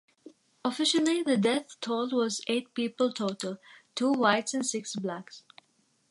Officially the death toll was eight people total, two whites and six blacks.